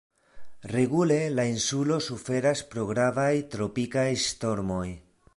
Regule la insulo suferas pro gravaj tropikaj ŝtormoj.